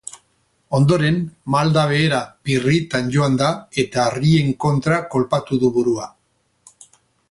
Ondoren, maldan behera pirritan joan da eta harrien kontra kolpatu du burua.